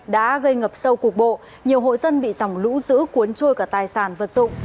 đã gây ngập sâu cục bộ nhiều hộ dân bị dòng lũ giữ cuốn trôi cả tài sản vật dụng